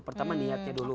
pertama niatnya dulu